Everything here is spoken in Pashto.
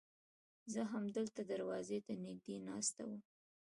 زه همدلته دروازې ته نږدې ناست وم.